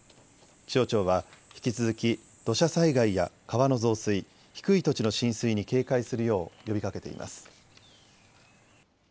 気象庁は引き続き土砂災害や川の増水、低い土地の浸水に警戒するよう呼びかけています。